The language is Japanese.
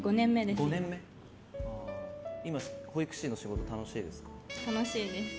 今、保育士の仕事楽しいです。